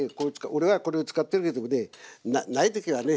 俺はこれを使ってるけどもね慣れてきたらね